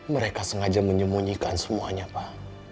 mereka sengaja menyembunyikan semuanya pak